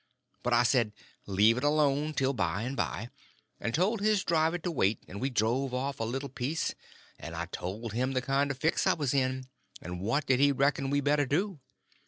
But I said, leave it alone till by and by; and told his driver to wait, and we drove off a little piece, and I told him the kind of a fix I was in, and what did he reckon we better do?